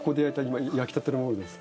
今焼きたてのものです。